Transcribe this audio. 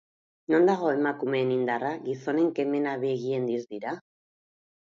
Non dago emakumeen indarra, gizonen kemena, begien distira?